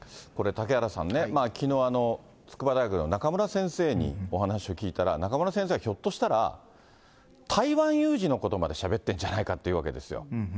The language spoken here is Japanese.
これ、嵩原さんね、きのう、筑波大学の中村先生にお話を聞いたら、中村先生は、ひょっとしたら台湾有事のことまでしゃべってるんじゃないかって言うんですよ。